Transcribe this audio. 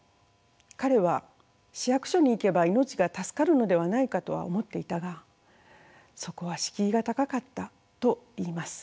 彼は市役所に行けば命が助かるのではないかとは思っていたがそこは敷居が高かったといいます。